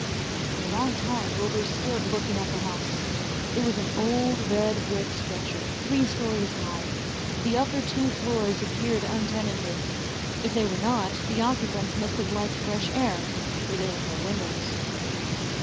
For a long time Wilbur stood looking at the house. It was an old red brick structure three stories high. The upper two floors appeared untenanted. If they were not, the occupants must have liked fresh air for there were no windows.